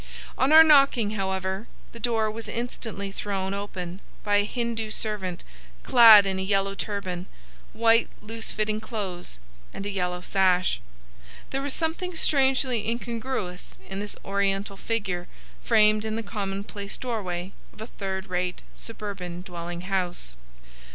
On our knocking, however, the door was instantly thrown open by a Hindoo servant clad in a yellow turban, white loose fitting clothes, and a yellow sash. There was something strangely incongruous in this Oriental figure framed in the commonplace doorway of a third rate suburban dwelling house.